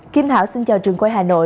kim thảo xin chào trường quay hà nội